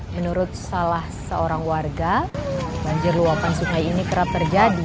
menurut salah seorang warga banjir luapan sungai ini kerap terjadi